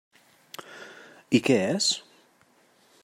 I què és?